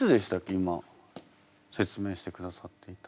今説明してくださっていた。